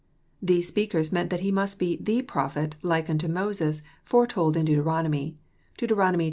" These speakers meant that He mast be *' the Prophet " like unto Moses, foretold in Deuteronomy.